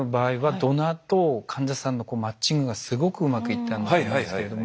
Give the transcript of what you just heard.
ドナーと患者さんのマッチングがすごくうまくいったんですけれども。